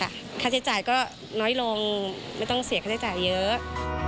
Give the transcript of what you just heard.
ค่าใช้จ่ายก็น้อยลงไม่ต้องเสียค่าใช้จ่ายเยอะ